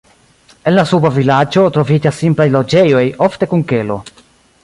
En la "suba vilaĝo" troviĝas simplaj loĝejoj, ofte kun kelo.